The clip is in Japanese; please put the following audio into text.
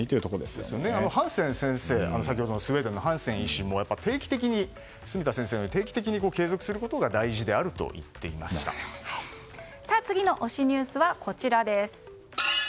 スウェーデンのハンセン医師も住田先生のように定期的に継続することが大事だと次の推しニュースはこちらです。